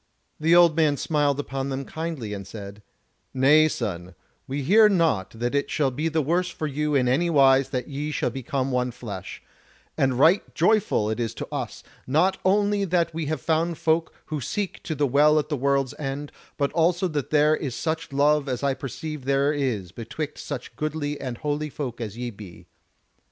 The old man smiled upon them kindly, and said: "Nay, son, we hear not that it shall be the worse for you in any wise that ye shall become one flesh; and right joyful it is to us, not only that we have found folk who seek to the Well at the World's End, but also that there is such love as I perceive there is betwixt such goodly and holy folk as ye be.